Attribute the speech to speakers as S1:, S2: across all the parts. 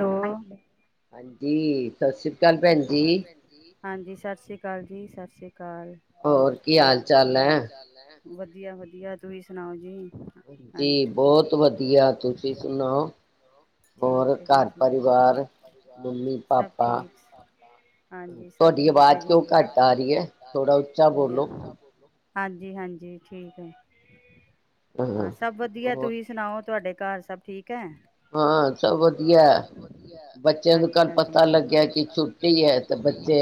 S1: Hello
S2: ਹਾਂਜੀ ਹਾਂਜੀ ਸਤਿ ਸ੍ਰੀ ਅਕਾਲ ਭੈਣ ਜੀ
S1: ਹਾਂਜੀ ਸਤਿ ਸ਼੍ਰੀ ਅਕਾਲ ਸਤਿ ਸ਼੍ਰੀ ਅਕਾਲ ਅਕਾਲਲ ਹੋਰ ਕੀ ਹਾਲ ਚਾਲ ਹੈ ਵਧੀਆ ਵਧੀਆ ਤੁਸੀਂ ਸੁਣਾਓ ਜੀ
S2: ਹਾਂਜੀ ਬਹੁਤ ਵਧੀਆ ਤੁਸੀਂ ਸੁਣਾਓ ਹੋਰ
S1: ਠੀਕ
S2: ਘਰ ਪਰਿਵਾਰ ਮੰਮੀ
S1: ਸਭ
S2: ਪਾਪਾ
S1: ਠੀਕ ਹਾਂਜੀ ਸਭ
S2: ਤੁਹਾਡੀ
S1: ਠੀਕ ਆ
S2: ਆਵਾਜ਼
S1: ਜੀ
S2: ਕਿਉਂ ਘੱਟ ਆ ਰਹੀ ਹੈ ਥੋੜਾ ਉੱਚਾ ਬੋਲੋ
S1: ਹਾਂਜੀ ਹਾਂਜੀ ਠੀਕ ਹੈ ਹਾਂ ਸਭ ਵਧੀਆ
S2: ਹੋਰ
S1: ਤੁਸੀਂ ਸੁਣਾਓ ਤੁਹਾਡੇ ਘਰ ਸਭ ਠੀਕ ਹੈ
S2: ਹਾਂ ਸਭ ਵਧੀਆ ਬੱਚਿਆਂ ਦਾ ਕੱਲ੍ਹ
S1: ਅੱਛਾ ਜੀ
S2: ਪਤਾ ਲੱਗਿਆ ਕਿ ਛੁੱਟੀ ਹੈ ਤੇ ਬੱਚੇ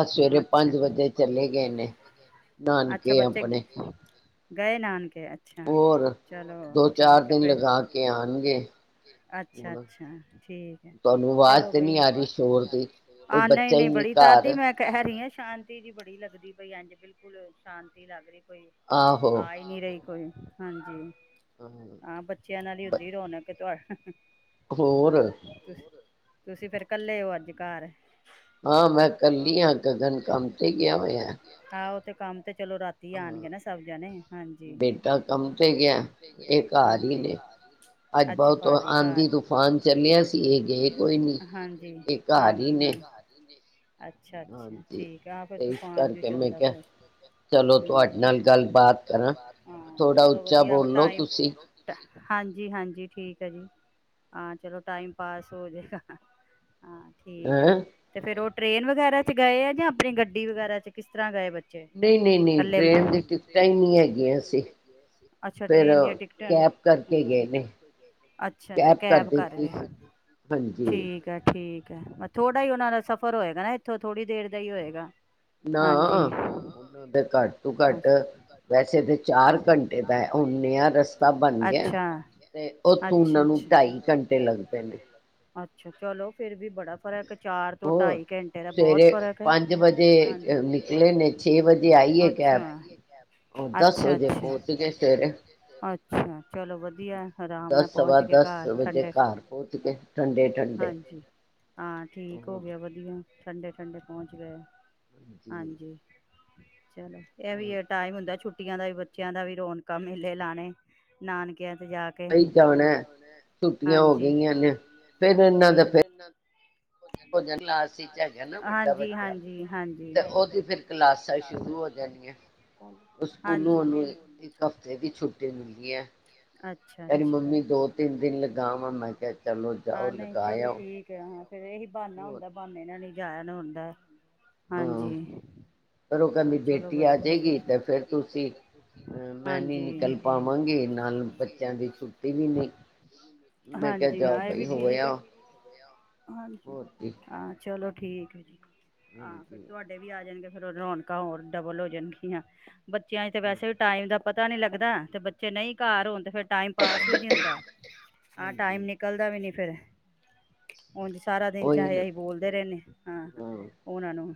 S2: ਅਹ ਸਵੇਰੇ
S1: ਅੱਛਾ
S2: ਪੰਜ ਵਜੇ ਚਲੇ ਗਏ ਨੇ
S1: ਅੱਛਾ
S2: ਨਾਨਕੇ
S1: ਬੱਚੇ
S2: ਆਪਣੇ
S1: ਗਏ ਨਾਨਕੇ ਅੱਛਾ
S2: ਹੋਰ
S1: ਚਲੋ
S2: ਦੋ ਚਾਰ
S1: ਠੀਕ ਆ
S2: ਦਿਨ
S1: ਫਿਰ
S2: ਲਗਾ ਕੇ ਆਉਣਗੇ
S1: ਅੱਛਾ
S2: ਹੁਣ
S1: ਅੱਛਾ ਠੀਕ ਹੈ
S2: ਤੁਹਾਨੂੰ ਆਵਾਜ਼
S1: ਚਲੋ
S2: ਤੇ ਨਹੀਂ
S1: ਬਈ
S2: ਆ ਰਹੀ ਸ਼ੋਰ ਦੀ ਕੋਈ
S1: ਆ ਨਹੀਂ
S2: ਬੱਚਾ ਹੀ
S1: ਨਹੀਂ ਬੜੀ ਤਦ ਹੀ
S2: ਘਰ
S1: ਮੈਂ ਕਹਿ ਰਹੀ ਆ ਸ਼ਾਂਤੀ ਜੀ ਬੜੀ ਲੱਗਦੀ ਪਈ ਹਂਜੀ ਬਿਲਕੁਲ ਸ਼ਾਂਤੀ ਲੱਗ ਰਹੀ ਆ
S2: ਆਹੋ
S1: ਹੀ ਨਹੀਂ ਰਹੀ ਕੋਈ ਹਾਂਜੀ ਹਾਂ ਬੱਚਿਆਂ ਨਾਲ ਹੀ ਹੁੰਦੀ ਰੌਣਕ ਤੁ ਹਮ
S2: ਹੋਰ
S1: ਹਾਂ ਤੁ ਤੁਸੀਂ ਫੇਰ ਕੱਲੇ ਹੋ ਅੱਜ ਘਰ
S2: ਹਾਂ ਮੈਂ ਕੱਲੀ ਹਾਂ ਗਗਨ ਕੰਮ ਤੇ ਗਿਆ ਹੋਇਆ
S1: ਆਹੋ ਤੇ ਕੰਮ ਤਾਂ ਚਲੋ ਰਾਤੀ
S2: ਹਾਂ
S1: ਆਉਣਗੇ ਨਾ ਸਭ ਜਣੇ ਹਾਂਜੀ
S2: ਬੇਟਾ ਕੰਮ ਤੇ ਗਿਆ ਇਹ ਘਰ ਹੀ
S1: ਹਾਂਜੀ
S2: ਨੇ ਅੱਜ
S1: ਅੱਛਾ
S2: ਬਹੁਤ
S1: ਭਾਜੀ ਘਰ
S2: ਆਂਦੀ ਤੂਫਾਨ ਚੱਲਿਆ ਸੀ
S1: ਹਾਂਜੀ
S2: ਇਹ ਗਏ ਕੋਈ ਨੀ
S1: ਹਾਂਜੀ
S2: ਇਹ ਘਰ ਹੀ ਨੇ
S1: ਹਾਂਜੀ [inaudible] ਅੱਛਾ ਅੱਛਾ
S2: ਹਾਂਜੀ
S1: ਠੀਕ ਆ ਫਿਰ
S2: ਤੇ ਇਸ
S1: ਤੂਫਾਨ ਜ
S2: ਕਰਕੇ ਮੈਂ
S1: ਚੱਲਦਾ
S2: ਕਿਹਾ
S1: ਪਿਆ
S2: ਚਲੋ ਤੁਹਾਡੇ ਨਾਲ ਗੱਲਬਾਤ ਕਰਾਂ ਥੋੜਾ
S1: ਚਲੋ
S2: ਉੱਚਾ
S1: ਵਧਆ
S2: ਬੋਲੋ ਤੁਸੀਂ
S1: ਹਾਂਜੀ ਹਾਂਜੀ ਠੀਕ ਹੈ ਜੀ ਹਾਂ ਚਲੋ ਟਾਈਮ ਪਾਸ ਹੋਜੇਗਾ ਹਾਂ ਠੀਕ ਹੈ
S2: ਹੈਂ
S1: ਤੇ ਫਿਰ ਉਹ ਟ੍ਰੇਨ ਵਗੈਰਾ ਚ ਗਏ ਹੈ ਜਾਂ ਆਪਣੀ ਗੱਡੀ ਵਗੈਰਾ ਚ ਕਿਸ ਤਰ੍ਹਾਂ ਗਏ ਬੱਚੇ
S2: ਨਹੀਂ ਨਹੀਂ ਨਹੀਂ ਟ੍ਰੇਨ ਦੀ ਟਿਕਟਾਂ ਹੀ ਨਹੀਂ ਹੈਗੀਆਂ ਸੀ
S1: ਅੱਛਾ
S2: ਫਿਰ
S1: ਟ੍ਰੇਨ ਦੀਆਂ ਟਿਕਟਾਂ ਨੇ
S2: ਕੈਬ ਕਰਕੇ ਗਏ ਨੇ
S1: ਅੱਛਾ
S2: ਕੈਬ
S1: ਆ
S2: ਕਰ ਦਿੱਤੀ ਸੀ ਹਾਂਜੀ
S1: ਠੀਕ ਹੈ ਠੀਕ ਹੈ ਥੋੜ੍ਹਾ ਹੀ ਉਹਨਾਂ ਦਾ ਸਫ਼ਰ ਹੋਏਗਾ ਨਾ ਇੱਥੋਂ ਥੋੜ੍ਹੀ ਦੇਰ ਦਾ ਹੀ ਹੋਏਗਾ
S2: ਨਾ
S1: ਹਾਂਜੀ
S2: ਉਹਨਾਂ ਦੇ ਘੱਟ ਤੋਂ ਘੱਟ
S1: ਅੱਛਾ
S2: ਵੈਸੇ ਤਾਂ ਚਾਰ ਘੰਟੇ ਦਾ ਉਹਨਹਾ ਰਸਤਾ ਬਣ ਗਿਆ
S1: ਅੱਛਾ,
S2: ਤੇ ਉੱਥੋਂ
S1: ਅੱਛਾ,
S2: ਉਹਨਾਂ ਨੂੰ
S1: ਅੱਛਾ।
S2: ਢਾਈ ਘੰਟੇ ਲੱਗ ਪਏ ਨੇ
S1: ਅੱਛਾ ਚਲੋ ਫੇਰ ਵੀ ਬੜਾ ਫਰਕ ਚਾਰ ਤੋਂ
S2: ਹੋਰ
S1: ਢਾਈ ਘੰਟੇ ਦਾ ਬਹੁਤ
S2: ਸਵੇਰੇ
S1: ਫਰਕ ਹੈ
S2: ਪੰਜ ਵਜੇ
S1: ਹਜੀ
S2: ਨਿਕਲੇ ਨੇ ਛੇ ਵਜੇ ਆਈ
S1: ਹ
S2: ਹੈ ਕੈਬ
S1: ਅੱਛਾ
S2: ਉਹ ਦਸ
S1: ਅੱਛਾ
S2: ਵਜੇ
S1: ਅੱਛਾ
S2: ਪਹੁੰਚ ਗਏ ਸਵੇਰੇ
S1: ਅੱਛਾ ਚਲੋ ਵਧੀਆ ਆਰਾਮ ਨਾਲ
S2: ਦਸ ਸਵਾ
S1: ਪਹੁੰਚ ਕੇ
S2: ਦਸ
S1: ਘਰ ਠੰਡੇ
S2: ਘਰ ਪਹੁਤ ਕੇ ਠੰਡੇ ਠੰਡੇ
S1: ਹਾਂਜੀ।
S2: ਹੋਰ
S1: ਠੰਡੇ ਠੰਡੇ ਪਹੁੰਚ ਗਏ
S2: ਜੀ
S1: ਹਾਂਜੀ ਚਲੋ ਇਹ ਵੀ ਟਾਈਮ ਹੁੰਦਾਛੁੱ ਦਾ ਵੀ ਬੱਚਿਆਂ ਦਾ ਵੀ ਰੌਣਕਾਂ ਮੇਲੇ ਲਾਣੇ ਨਾਨਕੇ ਤੇ ਜਾ ਕੇ
S2: ਕਈ ਜਾਣਾ ਹੋ
S1: ਹਾਂਜੀ
S2: ਗਈਆਂ ਨੇ ਫੇਿਰ ਇਹਨਾਂ ਦਾ
S1: ਹੂੰ।
S2: ਫਿਰ ਜਾ ਕਲਾਸ ਵਿਚ ਹੈਗਾ ਨਾ ਵੱਡਾ
S1: ਦੀ ਹਾਂਜੀ
S2: ਬੱਚਾ
S1: ਹਾਂਜੀ ਹਾਂਜੀ
S2: ਤੇ ਉਹਦੀ ਫਿਰ ਕਲਾਸਾਂ ਸ਼ੁਰੂ ਹੋ ਜਾਣੀਆਂ ਸਕੂਲੋਂ
S1: ਹਾਂਜੀ
S2: ਨੂੰ ਇੱਕ ਹਫਤੇ ਦੀ ਛੁੱਟੀ ਮਿਲਣੀ ਹੈ
S1: ਅੱਛਾ
S2: ਤੇਰੀ
S1: ਅੱਛਾ
S2: ਮੰਮੀ ਦੋ ਤਿੰਨ ਦਿਨ ਲ ਗਾਵਾਂ ਮੈਂ ਕਿਹਾ ਚਲੋ
S1: ਹਾਂ
S2: ਜਾਓ
S1: ਨਹੀਂ ਚਲੋ
S2: ਲਗਾਆਓ
S1: ਠੀਕ ਹੈ ਹਾਂ ਫਿਰ ਇਹੀ ਬਾਨਾ ਹੁੰਦਾ ਬਾਨੇ ਨਾਲ ਜਾਇਨ ਹੁੰਦਾ
S2: ਹਾਂ
S1: ਹਾਂਜੀ
S2: ਫੇਰ ਉਹ
S1: ਹਾਂ
S2: ਕਹਿੰਦੀ
S1: ਚਲੋ
S2: ਬੇਟੀ ਆ
S1: ਵਧੀਆ
S2: ਜਾਏਗੀ ਤੇ ਫਿਰ ਤੁਸੀਂ ਅਹ ਮੈਂ ਨਹੀਂ
S1: ਹਾਂਜੀ
S2: ਨਿਕਲ ਪਾਵਾਂਗੀ ਨਾਲ ਬੱਚਿਆਂ ਦੀ ਛੁੱਟੀ ਵੀ ਨਹੀਂ ਮੈਂ ਕਿਹਾ
S1: ਹਾਂਜੀ
S2: ਜਾਓ
S1: ਆ ਇਹ
S2: ਭਾਈ
S1: ਵੀ
S2: ਹੋ
S1: ਠੀਕ
S2: ਆਓ
S1: ਹਾਂਜੀ
S2: ਹੋਰ ਕੀ
S1: ਹਾਂ ਚਲੋ ਠੀਕ ਹੈ ਜੀ। ਆ ਫਿਰ
S2: ਹਾਂਜੀ
S1: ਤੁਹਾਡੇ ਵੀ ਆ ਜਾਣਗੇ ਫਿਰ ਰੌਣਕਾਂ ਹੋਰ ਡਬਲ ਹੋ ਜਾਣਗੀਆਂ। ਬੱਚਿਆਂ ਚ ਤੇ ਵੈਸੇ ਵੀ ਟਾਈਮ ਦਾ ਪਤਾ ਨੀ ਲੱਗਦਾ ਤੇ ਬੱਚੇ ਨਹੀਂ ਘਰ ਹੋਣ ਤੇ ਫੇਰ ਟਾਈਮ ਪਾਸ ਵੀ ਨਹੀ ਹੁੰਦਾ। ਹਾਂ ਟਾਈਮ
S2: ਹਾਂਜੀ
S1: ਨਿਕਲਦਾ ਵੀ ਨੀ ਫੇਰ ਹੁਣ ਸਾਰਾ ਦਿਨ
S2: ਉਹੀ
S1: ਚਾਹੇ
S2: ਨਾ
S1: ਅਸੀਂ ਬੋਲਦੇ ਰਹਿੰਦੇ ਹਾਂ, ਉਹਨਾਂ ਨੂੰ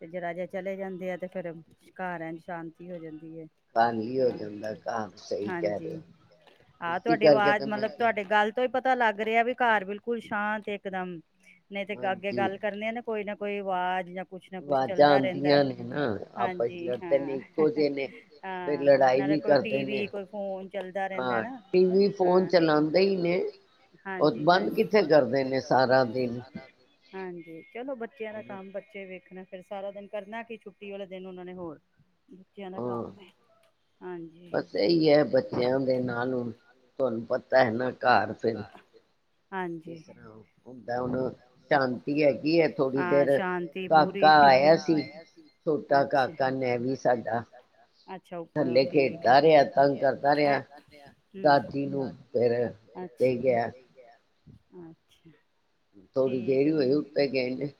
S1: ਤੇ ਜਿਹਰਾ ਜੇ ਚਲੇ ਜਾਂਦੇ ਆ ਤੇ ਫੇਰ ਘਰ ਐਜ ਸ਼ਾਂਤੀ ਹੋ ਜਾਂਦੀ। ਹੈ
S2: ਖਾਲੀ ਹੋ
S1: ਹਾਂ
S2: ਜਾਂਦਾ ਘਰ ਸਹੀ ਕਹਿ ਰਹੇ ਹੋ ਤੁ
S1: ਵਾਜ਼ ਮਤਲਬ ਤੁਹਾਡੇ ਗੱਲ ਤੋਂ ਹੀ ਪਤਾ ਲੱਗ ਰਿਹਾ ਵੀ ਘਰ ਬਿਲਕੁਲ ਸ਼ਾਂਤ ਇਕ ਦਮ ਨਹੀਂ ਤੇ ਅੱਗੇ
S2: ਹਾਂਜੀ
S1: ਗੱਲ ਕਰਨੇ ਆ ਨਾ ਕੋਈ ਨਾ ਕੋਈ ਆਵਾਜ਼ ਜਾਂ ਕੁਛ ਨਾ ਕੁਛ
S2: ਆਵਾਜ਼ਾਂ
S1: ਚੱਲਦਾ ਰਹਿੰਦਾ,
S2: ਆਉਂਦੀਆਂ ਨੇ ਨਾ ਆਪਸ ਚ
S1: ਹਾਂਜੀ
S2: ਲੜਦੇ ਨੇ
S1: ਹਾਂ
S2: ਇੱਕੋ ਜਿਹੇ ਨੇ ਫਿਰ
S1: ਹਾਂ
S2: ਲੜਾਈ
S1: ਨਾਲੇ
S2: ਵੀ
S1: ਕੋਈ
S2: ਕਰਦੇ
S1: ਟੀਵੀ
S2: ਨੇ
S1: ਕੋਈ ਫੋਨ ਚੱਲਦਾ ਰਹਿੰਦਾ
S2: ਹਾਂ
S1: ਨਾ
S2: ਟੀ ਵੀ ਫੋਨ
S1: ਹਾਂ
S2: ਚਲਾਦੇ ਇ ਨੇ ਉਹ
S1: ਹਾਂਜੀ
S2: ਬੰਦ
S1: ਹਾਂਜੀ
S2: ਕਿੱਥੇ ਕਰਦੇ ਨੇ ਸਾਰਾ ਦਿਨ
S1: ਹਾਂਜੀ। ਚਲੋ ਬੱਚਿਆਂ ਦਾ
S2: ਹੁਣ
S1: ਕੰਮ ਬੱਚੇ ਵੇਖਣਾ ਫਿਰ ਸਾਰਾ ਦਿਨ ਕਰਨਾ ਕੀ ਛੁੱਟੀ ਵਾਲੇ ਦਿਨ ਉਹਨਾਂ ਨੇ ਹੋਰ ਬੱਚਿਆਂ ਦਾ
S2: ਹਾਂ
S1: ਕੰਮ ਏ, ਹਾਂਜੀ।
S2: ਬਸ ਇਹੀ ਹੈ ਬੱਚਿਆਂ ਦੇ ਨਾਲ ਹੁਣ ਤੁਹਾਨੂੰ ਪਤਾ ਹੈ ਨਾ ਘਰ ਫਿਰ ਕਿਸ
S1: ਹਾਂਜੀ
S2: ਤਰ੍ਹਾਂ ਹੁੰਦਾ ਹੁਣ ਸ਼ਾਂਤੀ ਹੈਗੀ ਹੈ ਥੋੜ੍ਹੀ
S1: ਹਾਂ
S2: ਦੇਰ
S1: ਸ਼ਾਂਤੀ ਪੂਰੀ।
S2: ਕਾਕਾ ਆਇਆ ਸੀ ਛੋਟਾ ਕਾਕਾ ਨੈਵੀ ਸਾਡਾ
S1: ਅੱਛਾ-ਅੱਛਾ ਉਪਰੋਂ
S2: ਥੱਲੇ
S1: ਠੀਕ ਏ
S2: ਖੇਡਦਾ ਰਿਹਾ ਤੰਗ ਕਰਦਾ
S1: ਐ
S2: ਰਿਹਾ
S1: ਹਮ।
S2: ਦਾਦੀ ਨੂੰ ਫਿਰ ਉੱਤੇ ਗਿਆ
S1: ਅੱਛਾ। ਅੱਛਾ।
S2: ਥੋੜੀ ਦੇਰੀ ਇ ਹੋਈ ਉੱਤੇ ਗਏ ਨੂੰ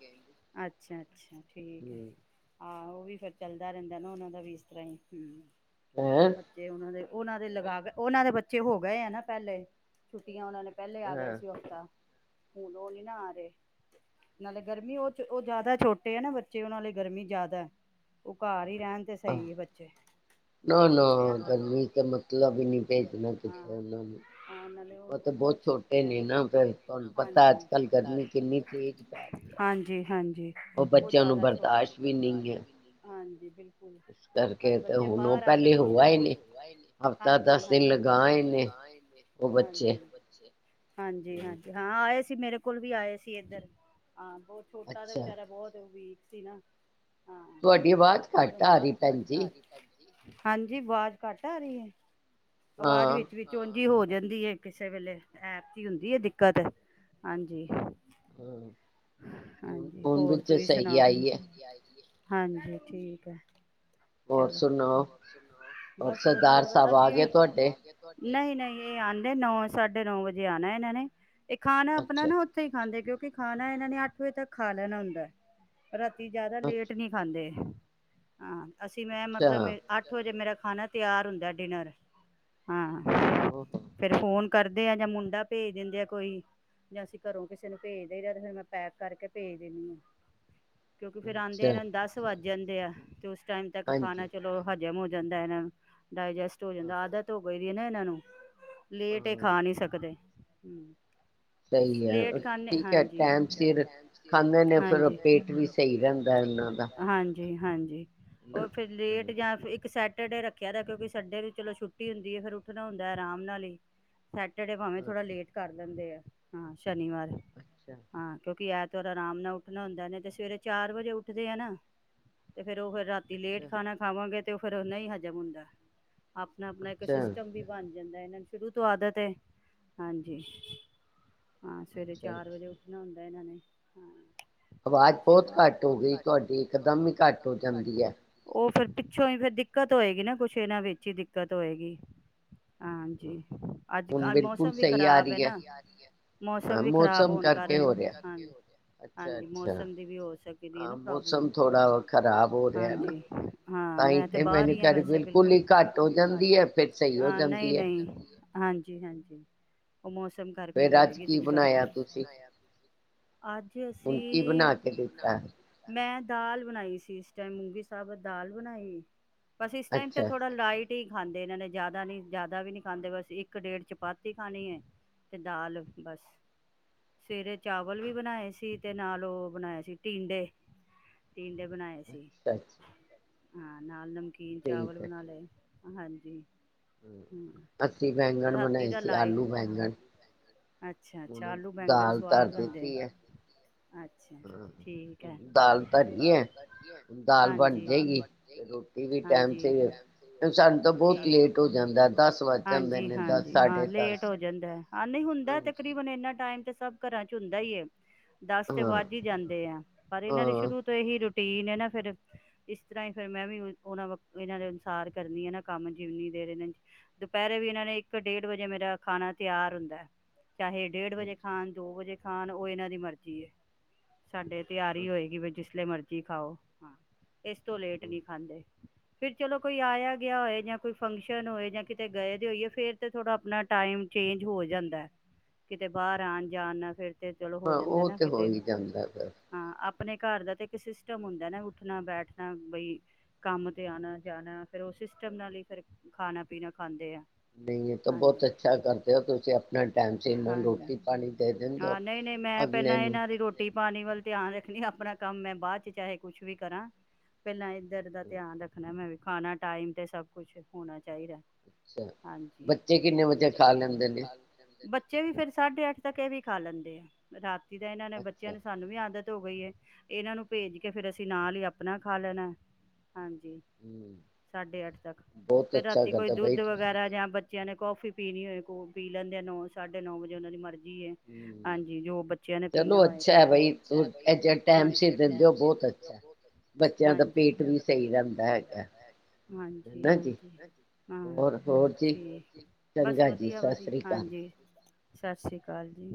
S1: ਅੱਛਾ-ਅੱਛਾ। ਠੀਕ ਹੈ ਹਾਂ ਉਹ ਵੀ ਫਿਰ ਚੱਲਦਾ ਰਹਿੰਦਾ ਨਾ ਉਹਨਾਂ ਦਾ ਵੀ ਇਸ ਤਰ੍ਹਾਂ ਹੀ
S2: ਹੈਂ
S1: ਹਮ ਬੱਚੇ ਉਹਨਾਂ ਦੇ ਉਹਨਾਂ ਦੇ ਲਗਾ ਕੇ ਉਹਨਾਂ ਦੇ ਬੱਚੇ ਹੋ ਗਏ ਆ ਨਾ ਪਹਿਲੇ ਛੁੱਟੀਆਂ ਉਹਨਾਂ ਨੇ ਪਹਿਲੇ ਆ ਗਏ
S2: ਹਾਂ
S1: ਸੀ ਹਫ਼ਤਾ ਹੁਣ ਉਹ ਨੀ ਨਾ ਆ ਰਹੇ ਨਾਲੇ ਗਰਮੀ ਉਹ ਉਹ ਜਿਆਦਾ ਛੋਟੇ ਆ ਨਾ ਬੱਚੇ ਉਹ ਨਾਲੇ ਗਰਮੀ ਜ਼ਿਆਦਾ ਉਹ ਘਰ ਹੀ ਰਹਿਣ ਤੇ
S2: ਆਹ
S1: ਸਹੀ ਹੈ ਬੱਚੇ
S2: ਨਾ ਨਾ
S1: ਛੋਟੇ ਹਨ
S2: ਗਰਮੀ ਤੇ ਮਤਲਬ ਹੀ ਨਹੀਂ ਭੇਜਣਾ ਤੁ
S1: ਾਂ ਨਾਲੇ ਹੁ ਉਹ ਬਹੁਤ ਛੋਟੇ ਆ
S2: ਨੇ ਨਾ ਫਿਰ ਤੁਹਾਨੂੰ ਪਤਾ
S1: ਹਾਂਜੀ
S2: ਅੱਜ ਕੱਲ੍ਹ ਗਰਮੀ ਕਿੰਨੀ ਤੇਜ਼ ਪੈ ਰਹੀ ਹੈ
S1: ਹਾਂਜੀ ਹਾਂਜੀ ਉਹ
S2: ਬੱਚਿਆਂ ਨੂੰ
S1: ਜਿਆਦਾ ਛੋ
S2: ਬਰਦਾਸ਼ਤ ਵੀ ਨਹੀਂ ਹੈ
S1: ਹਾਂਜੀ ਬਿਲਕੁਲ
S2: ਇਸ
S1: ਨਾਲੇ
S2: ਕਰਕੇ ਤੇ
S1: ਬੱਚੇ
S2: ਹੁਣ ਉਹ
S1: ਬਾਹਰ ਆ ਕੇ
S2: ਪਹਿਲੇ
S1: ਕੁਛ
S2: ਹੋਆ
S1: ਨਾ
S2: ਹੀ ਨਹੀਂ ਹਫ਼ਤਾ ਦਸ ਦਿਨ ਲ
S1: ਹਜੀ ਹਾਂਜੀ ਹਾਂਜੀ ਹਾਂ ਆਏ ਸੀ ਮੇਰੇ ਕੋਲ ਵੀ ਆਏ ਸੀ ਇੱਧਰ ਹਾਂ ਬਹੁਤ ਛੋਟਾ ਤਾਂ
S2: ਅੱਛਾ
S1: ਵਿਚਾਰਾ ਬਹੁਤ ਉਹ ਵੀ ਸੀ ਨਾ ਹਾਂ
S2: ਤੁਹਾਡੀ ਆਵਾਜ਼ ਘੱਟ ਆ ਰਹੀ ਭੈਣ ਜੀ
S1: ਹਾਂਜੀ ਆਵਾਜ਼ ਘੱਟ ਆ ਰਹੀ ਹੈ ਆਵਾਜ਼
S2: ਹਾਂ
S1: ਵਿੱਚ ਵੀ ਜ ਹੋ ਜਾਂਦੀ ਕਿਸੇ ਵੇਲੇ ਐਪ ਦੀ ਹੁੰਦੀ ਹੈ ਦਿੱਕਤ ਹਾਂਜੀ
S2: ਹਾਂ ਹੁਣ
S1: ਹਾਂਜੀ
S2: ਹੁਣ
S1: ਹੋਰ
S2: ਵਿੱਚ
S1: ਤੁਸੀਂ
S2: ਸਹੀ
S1: ਸੁਣਾ
S2: ਆਈ ਹੈ
S1: ਹਾਂਜੀ ਠੀਕ ਹੈ।
S2: ਹੋਰ
S1: ਚਲੋ
S2: ਸੁਣਾੋ ਹੋਰ
S1: ਬਸ
S2: ਸਰਦਾਰ
S1: ਵਧੀਆ
S2: ਸਾਹਿਬ ਆ
S1: ਅਸੀਂ
S2: ਗਏ
S1: ਵੀ
S2: ਤੁਹਾਡੇ?
S1: ਨਹੀਂ ਨਹੀਂ ਇਹ ਆਉਂਦੇ ਨੌ ਸਾਢੇ ਨੌ ਵਜੇ ਆਉਣਾ ਇਹਨਾਂ ਨੇ। ਇਹ ਖਾਣਾ ਆਪਣਾ
S2: ਅੱਛਾ
S1: ਨਾ ਉੱਥੇ ਹੀ ਖਾਂਦੇ ਕਿਉਕਿ ਖਾਣਾ ਇਹਨਾਂ ਨੇ ਅੱਠ ਵਜੇ ਤੱਕ ਖਾ ਲੈਣਾ ਹੁੰਦਾ। ਰਾਤੀ ਜਿਆਦਾ
S2: ਅੱਛਾ
S1: ਲੇਟ ਨਹੀਂ ਖਾਂਦੇ। ਹਾਂ ਅਸੀਂ ਮੈਂ
S2: ਅੱਛਾ
S1: ਮਤਲਬ ਮੇ ਅੱਠ ਵਜੇ ਮੇਰਾ ਖਾਣਾ ਤਿਆਰ ਹੁੰਦਾ ਡਿਨਰ। ਹਾਂ।
S2: ਓ
S1: ਫਿਰ ਫੋਨ। ਕਰਦੇ ਆ ਜਾਂ ਮੁੰਡਾ ਭੇਜ ਦਿੰਦੇ ਆ ਕੋਈ ਜਾਂ ਅਸੀਂ ਘਰੋਂ ਕਿਸੇ ਨੂੰ ਭੇਜ ਦੇ ਫਿਰ ਮੈਂ ਪੈਕ ਕਰਕੇ ਭੇਜ ਦਿੰਦੀ ਹਾਂ। ਕਿਉਂਕਿ ਫਿਰ ਆਂਦਿਆ
S2: ਅੱਛਾ,
S1: ਇਹਨਾਂ ਨੂੰ ਦਸ ਵਜ ਜਾਂਦੇ ਆ ਤੇ ਉਸ ਟਾਈਮ ਤੱਕ ਖਾਣਾ
S2: ਹਾਂਜੀ
S1: ਚਲੋ ਹਜ ਜ਼ਮ ਹੋ ਜਾਂਦਾ ਐ ਇਹਨਾਂ ਨੁ। ਡਾਇਜੈਸਟ ਹੋ
S2: ਹਾਂ
S1: ਜਾਂਦਾ ਆਦਤ ਪਈ ਦੀ ਐ ਨਾ ਇਹਨਾਂ ਨੂੰ। ਲੇਟ ਇਹ
S2: ਹਾਂ,
S1: ਖਾ ਨਹੀਂ ਸਕਦੇ। ਹਮ।
S2: ਸਹੀ ਹੈ
S1: ਲੇਟ ਖ਼ਾਨੇ
S2: ਠੀਕ ਹੈ
S1: ਹਾਂਜੀ
S2: ਟਾਈਮ ਸਿਰ
S1: ਹਾਂਜੀ
S2: ਖਾਂਦੇ ਨੇ ਫਿਰ
S1: ਹਜੀ।
S2: ਪੇਟ ਵੀ ਸਹੀ ਰਹਿੰਦਾ ਉਹਨਾਂ ਦਾ
S1: ਜੀ ਹਾਂਜੀ। ਉਹ ਫਿਰ ਲੇਟ ਜਾਂ ਇੱਕ ਸੈਟ ਸੇਟੁਰਡੇ ਰੱਖਿਆ ਦਾ ਐ ਕਿਉਂ ਸਨਡੇ ਨੂੰ ਚਲੋ ਛੱਟੀ। ਰਟੀ ਹੁੰਦੀ ਐ ਫੇਰ ਉੱਠਣਾ ਹੁੰਦਾ ਹੈ ਫਿਰ ਆਰਾਮ ਨਾਲ ਹੀ। ਸੈਟਰਡੇ ਪਾਵੇ ਥੋੜਾ ਲੇਟ ਕਰ ਲੈਂਦੇ ਆ ਹਾਂ। ਸ਼ਨੀਵਾਰ
S2: ਅੱਛਾ
S1: ਹਾਂ ਕਿਉਂਕਿ ਐਤ ਫੇਰ ਆਰਾਮ ਨਾਲ ਉੱਠਣਾ ਹੁੰਦਾ ਨੀ ਤੇ ਸਵੇਰੇ ਚਾਰ ਵਜੇ ਉੱਠਦੇ ਆ ਨਾ ਤੇ ਫੇਰ ਉਹ ਫਿਰ ਰਾ ਤੀ ਲੇਟ
S2: ਅੱਛਾ
S1: ਖਾਣਾ ਖਾਵਾਗੇ ਤੇ ਫੇਰ ਨਹੀਂ ਹਜ਼ਮ ਹੁੰਦਾ ਆਪ ਅਪਣਾ ਅਪਣਾ ਇੱਕ
S2: ਅੱਛਾ
S1: ਸਿਸਟਮ ਵੀ ਬਣ ਜਾਂਦਾ ਐ ਨਾਂ ਸ਼ੁਰੂ ਤੋਂ ਆਦਤ ਐ ਹਾਂਜੀ। ਹਾਂ ਸਵੇਰੇ
S2: ਅੱਛਾ ਅੱਛਾ
S1: ਚਾਰ ਵਜੇ ਉੱਠਣਾ ਹੁੰਦਾ ਐ ਇਹਨਾਂ ਨੇ।
S2: ਆਵਾਜ਼
S1: [inaudible] ਚਲੋ,
S2: ਬਹੁਤ
S1: ਅਵਾਜ
S2: ਘੱਟ
S1: ਬਹੁਤ
S2: ਗਈ
S1: ਘੱਟ ਹੋ
S2: ਤੁਹਾਡੀ
S1: ਗਈ
S2: ਇਕਦਮ
S1: ਤੁਹਾਡੀ
S2: ਹੀ
S1: ਇਕ
S2: ਘੱਟ
S1: ਦਾਮ ਹੀ ਘੱਟ ਹੋ ਜਾਂਦੀ ਹੈ। ਓਹ ਫੇਰ ਪਿੱਛੋਂ ਹੀ ਫੇਰ ਦਿੱਕਤ ਹੋਏਗੀ ਨਾ ਕੁਛ ਇਹਨਾਂ ਵਿੱਚ ਹੀ ਦਿਕ ਦਿੱਕਤ ਹੋਏਗੀ। ਹਾਂਜੀ, ਅੱਜ
S2: ਹੁਣ ਬਿਲਕੁਲ
S1: ਮੌਸਮ ਵੀ
S2: ਸਹੀ ਆ
S1: ਖ਼ਰਾਬ ਹੈ
S2: ਰਹੀ
S1: ਨਾ ਮੌਸਮ
S2: ਹਾਂ
S1: ਵੀ ਖਰਾਬ ਹੋਣ ਕਾਰ
S2: ਕਰਕੇ ਹੋ ਰਿਹਾ ਅੱਛਾ
S1: ਹਜੀ-ਹਾਂਜੀ
S2: ਅੱਛਾ
S1: ਮੌਸਮ ਦੀ ਵੀ ਹੋ ਸਕਦੀ
S2: ਹਾਂ
S1: ਨਾ ਪ੍ਰੋਬਲਮ,
S2: ਮੌਸਮ ਥੋੜਾ ਖ਼ਰਾਬ ਹੋ ਰਿਹਾ ਨਾ
S1: ਹਾਂਜੀ ਹਾਂ
S2: ਤਾਂ ਹੀ
S1: ਮੈਂ ਤੇ ਬਾਹਰ ਹੀ ਆ ਵੈਸੇ ਬਿਲਕੁਲ
S2: ਦੀ ਫਿਰ ਸਹੀ ਹੋ ਜਾਂਦੀ ਹੈ।
S1: ਹਾਂਜੀ-ਹਾਂਜੀ। ਉਹ ਮੌਸਮ ਕਰਕੇ
S2: ਫਿਰ ਅੱਜ
S1: ਹੋਏਗੀ
S2: ਕੀ
S1: ਦਿੱਕਤ।
S2: ਬਣਾਇਆ ਤੁਸੀਂ
S1: ਅੱਜ
S2: ਹੁਣ ਕੀ
S1: ਅਸੀ,
S2: ਬਣਾ ਕੇ ਦਿੱਤਾ
S1: ਮੈਂ ਦਾਲ ਬਣਾਈ ਸੀ ਇਸ ਟਾਈਮ ਮੂੰਗੀ ਸਾਬਤ, ਦਾਲ ਬਣਾਈ ਬਸ ਇਸ ਟਾਈਮ ਤੇ
S2: ਅੱਛਾ
S1: ਥੋੜਾ ਲਾਈਟ ਕੀ ਖਾਂਦੇ ਇਹਨਾਂ ਨੇ ਜ਼ਿਆਦਾ ਨੀ ਜ਼ਿਆਦਾ ਵੀ ਨੀ ਖਾਂਦੇ, ਬਸ ਇੱਕ ਡੇਢ ਚਪਾਤੀ ਖਾਣੀ ਹੈ, ਤੇ ਦਾਲ ਬਸ, ਸਵੇਰੇ ਚਾਵਲ ਵੀ ਬਣਾਏ ਸੀ ਤੇ ਨਾਲ ਉਹ ਬਣਾਏ ਸੀ ਟੀਂਡੇ, ਟੀਡੇ ਬਣਾਏ ਸੀ।
S2: ਅੱਛਾ ਅੱਛਾ
S1: ਹਾਂ ਨਾਲ ਨਮ ਕੀਨ ਚਾਵਲ ਬਣਾ ਲਏ। ਹਾਂਜੀ। ਹਮ
S2: ਅਸੀ ਬੈਗਣ
S1: ਰਾਤੀ
S2: ਬਣਾਏ ਸੀ, ਆਲੂ ਬੈਗਣ।
S1: ਅੱਛਾ-ਅੱਛਾ, ਆਲੂ ਬੈਗਣ ਸਆਦ ਬਣਦੇ ਏ
S2: ਹੈ
S1: ਅਛਾ,
S2: ਹਾਂ
S1: ਠੀਕ ਹੈ।
S2: ਦਾਲ ਧਰੀ ਹੈ ਦਾਲ ਬਣ
S1: ਹਾਂਜੀ,
S2: ਜਾਏਗੀ ਤੇ
S1: ਹਾਂਜੀ।
S2: ਰੋਟੀ ਵੀ ਟਾਈਮ ਸਿਰ ਸਾਨੂੰ ਤਾਂ
S1: ਠੀਕ
S2: ਬਹੁਤ ਲੇਟ ਹੋ ਜਾਂਦਾ
S1: ਹੇ,
S2: ਦਸ ਵੱਜ ਜਾਂਦੇ
S1: ਹਾਂਜੀ-ਹਾਂਜੀ
S2: ਨੇ ਦਸ
S1: ਹਾਂ
S2: ਸਾਢੇ
S1: ਲੇਟ
S2: ਦਸ
S1: ਹੋ ਜਾਂਦਾ ਹ ਨਹੀਂ ਹੁੰਦਾ
S2: ਹਾਂਜੀ
S1: ਤਕਰੀਬਨ ਇਨਾ ਟਾਈ ਟਾਈਮ ਤਾਂ ਸਭ ਘਰਾਂ ਚ ਚੁੰਦਾ ਹੀ ਏ। ਦਸ ਤੇ
S2: ਹਾਂ
S1: ਵਾਜ ਹੀ ਜਾਂਦੇ ਆ, ਪਰ ਇਹਨਾਂ ਦੀ
S2: ਹਾਂ
S1: ਸ਼ੁਰੂ ਤੋਂ ਇਹੀ ਰੁਟੀ ਟੀਨ ਹੇ ਨਾ ਫੇਰ ਇਸ ਤਰ੍ਹਾਂ ਫੇਰ ਮੈਂ ਵੀ ਉਹਨਾਂ, ਇਹਨਾਂ ਦੇ ਅਨੁਸਾਰ ਕਰਨੀ ਹੈ ਨਾ ਕੰਮ ਜਿਵਨੀ ਦੇਰ ਏਨੇ, ਦੁਪਹਿਰੇ ਵੀ ਇਹਨਾਂ ਨੇ ਇੱਕ ਡੇਢ ਵਜੇ ਮੇਰਾ ਖਾਣਾ ਤਿਆਰ ਹੁੰਦਾ ਏ। ਚਾਹੇ ਡੇਢ ਵਜੇ ਖਾਣ, ਦੋ ਵਜੇ ਖਾਣ ਉਹ ਏਨਾ ਦੀ ਮਰਜ਼ੀ ਹੈ। ਸਾਡੇ ਤਿਆਰੀ ਹੋਏਗੀ ਵੀ ਜਿਸ ਜਿਸਲੇ ਮਰਜ਼ੀ ਖਾਓ ਹ ਇਸ ਤੋ ਲੇਟ ਨਹੀਂ ਖਾਂਦੇ। ਫਰ ਚਲੋ ਕੋਈ ਆਇਆ ਗਿਆ ਹੋਇ ਜਾਂ ਕੋਈ ਫੰਕਸ਼ਨ ਹੋਏ ਜਾਂ ਕਿਤੇ ਗਈ ਦੇ ਹੋਈਏ, ਫੇਰ ਤੇ ਥੋੜਾ ਆਪਣਾ ਟਾਈਮ ਚੇਂਜ ਹੋ ਜਾਂਦਾ, ਕਿਤੇ ਬਾਹਰ ਆਣ ਜਾਣ ਨਾਲ ਫਿਰ ਤੇ ਚਲੋ ਹੋ
S2: ਹਾਂ
S1: ਜਾਂਦਾ
S2: ਉਹ
S1: ਨਾ
S2: ਤੇ ਹੋ
S1: ਕਿਤੇ,
S2: ਹੀ ਜਾਂਦਾ ਫਿਰ
S1: ਹਾਂ ਅਪ ਆਪਣੇ ਘਰ ਦਾ ਤੇ ਇੱਕ ਸਿਸਟਮ ਹੁੰਦਾ ਨਾ ਉੱਠਣਾ ਬੈਠਣਾ ਬਈ ਕੰਮ ਤੇ ਆਉਣਾ ਜਾਣਾ ਫੇਿਰ ਉਹ ਸਿਸਟਮ ਸ਼ਮ ਨਾਲ ਹੀ ਫਰ ਖਾਣਾ ਪੀਣਾ ਖਾਂਦੇ ਆ
S2: ਨਹੀਂ ਇਹ ਤਾਂ ਬਹੁਤ
S1: ਹਾਂਜੀ
S2: ਅੱਛਾ ਕਰਦੇ ਹੋ ਤੁਸੀਂ ਆਪਣਾ ਟਾਈਮ ਸ ਇਹਨਾਂ ਨੂੰ
S1: ਹਾਂ
S2: ਰੋਟੀ ਪਾਣੀ ਦੇ ਦਿੰਦੇ ਹੋ
S1: ਹਾਂ ਨਹੀਂ ਨਹੀਂ ਮੈਂ
S2: ਅਗਲੇ
S1: ਪਹਿਲਾਂ
S2: ਨੂੰ
S1: ਇਹਨਾਂ ਦੀ ਰੋਟੀ ਪਾਣੀ ਵੱਲ ਧਿਆਨ ਰੱਖਣੀ ਆਪਣਾ ਕੰਮ ਮੈਂ ਬਾਅਦ ਚ ਚਾਹੇ ਕੁਛ ਵੀ ਕਰਾਂ ਪਹਿਲਾਂ ਧਰ ਦਾ ਧਿਆਨ ਰੱਖਣਾ ਮੈਂ ਵੀ ਖਾਣਾ ਟਾਈਮ ਸਭ ਕੁਛ ਹੋਣਾ ਚਾਹੀਦਾ
S2: ਅੱਛਾ
S1: ਹਾਂਜੀੇ
S2: ਬੱਚੇ ਵਜੇ ਖਾ
S1: ਕਿੰਨੇ
S2: ਲੈਂਦੇ
S1: ਵਜੇ
S2: ਨੇ
S1: ਖਾਲ ਬੱਚੇ ਵੀ ਫੇਰ ਸਾਢੇ ਅੱਠ ਤੱਕ ਇਹ ਵੀ ਖਾ ਲੈਂਦੇ ਆ ਰਾਤ ਤਾਂ ਇਹਨਾਂ ਨੇ ਬੱਚਿਆਂ
S2: ਅੱਛਾ
S1: ਨੇ ਸਾਨੂੰ ਵੀ ਆਦਤ ਹੋ ਗਈ ਹੈ ਇਹਨਾਂ ਨੂੰ ਭੇਜ ਕੇ ਫੇਿਰ ਅਸੀਂ ਨਾਲ ਹੀ ਆਪਣਾ ਖਾ ਲੈਣਾ ਹਾਂਜੀ
S2: ਹਮ
S1: ਸਾਢੇ ਅੱਠ ਤੱਕ
S2: ਬਹੁਤ
S1: ਫੇਿਰ
S2: ਅੱਛਾ
S1: ਰਾਤੀ ਕੋਈ
S2: ਕਰਦਾ ਬਾਈ
S1: ਦੁੱਧ
S2: ਤੁਸੀਂ
S1: ਵਗੈਰਾ ਜਾਂ ਬੱਚਿਆਂ ਨੇ ਕੌਫੀ ਪੀਣੀ ਹੋਏ ਕੋ ਪੀ ਲੈਂਦੇ ਨੌ ਸਾਢੇ ਨੌ ਵਜੇ ਉਹਨਾਂ ਦੀ ਮਰਜ਼ੀ
S2: ਹਮ
S1: ਹਾਂਜੀ ਜੋ ਬੱਚਿਆਂ ਨੇ
S2: ਚਲੋ
S1: ਪੀਣਾ ਹੋਏ ਤੇ
S2: ਅੱਛਾ ਹੈ
S1: ਫੇਰ,
S2: ਬਈ ਟਾਈਮ
S1: ਹਾਂਜੀ।
S2: ਸਿਰ ਦਿੰਦੇ ਹੋ ਬਹੁਤ ਅੱਛਾ। ਹੈ। ਬੱਚਿਆਂ ਦਾ ਪੇਟ ਵੀ ਸਹੀ ਰਹਿੰਦਾ ਹੈਗਾ
S1: ਹਾਂਜੀ
S2: ਹਨਾ ਜੀ
S1: ਹਾਂਜੀ ਹਾਂ
S2: ਹੋਰ ਹੋਰ ਜੀ
S1: ਠੀਕ ਬਸ
S2: ਚੰਗਾ ਜੀ
S1: ਵਧੀਆ
S2: ਸਤਿ
S1: ਵਧੀਆ
S2: ਸ੍ਰੀ ਅਕਾਲ।
S1: ਹਾਂਜੀ। ਸਤਿ ਸ੍ਰੀ ਅਕਾਲ ਜੀ।